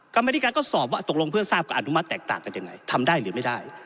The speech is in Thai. กรรมธิการก็สอบว่าตกลงเพื่อทราบกับอนุมัติแตกต่างกันยังไงทำได้หรือไม่ได้